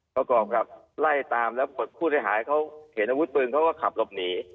ก็กรอบกับไล่ตามแล้วผู้ทรยายเขาเขตนวดปืนเขาก็ขับลบหนี